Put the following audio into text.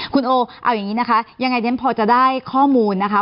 คุณโอเอาอย่างนี้นะคะยังไงเดี๋ยวพอจะได้ข้อมูลนะคะ